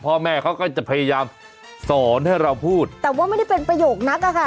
พ่อแม่เขาก็จะพยายามสอนให้เราพูดแต่ว่าไม่ได้เป็นประโยคนักอะค่ะ